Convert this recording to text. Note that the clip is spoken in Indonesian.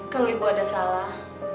kalau ibu ada salah